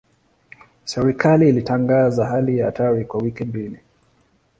Serikali ilitangaza hali ya hatari ya wiki mbili.